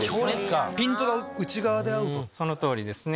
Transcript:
その通りですね。